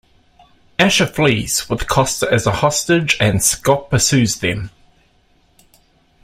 Asher flees with Costa as a hostage and Scott pursues them.